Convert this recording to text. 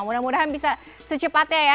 mudah mudahan bisa secepatnya ya